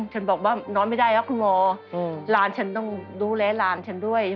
ฉันบอกว่านอนไม่ได้แล้วคุณหมอหลานฉันต้องดูแลหลานฉันด้วย